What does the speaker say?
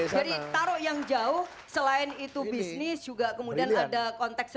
jadi taruh yang jauh selain itu bisnis juga kemudian ada konteks